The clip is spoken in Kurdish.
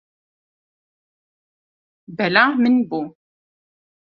Bela min bû.